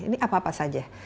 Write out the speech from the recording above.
ini apa apa saja